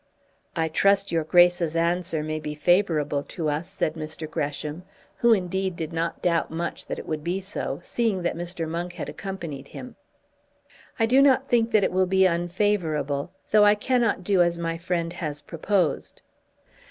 "I trust your Grace's answer may be favourable to us," said Mr. Gresham, who indeed did not doubt much that it would be so, seeing that Mr. Monk had accompanied him. "I do not think that it will be unfavourable, though I cannot do as my friend has proposed."